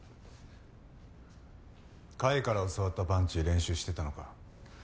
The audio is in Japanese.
甲斐から教わったパンチ練習してたのか。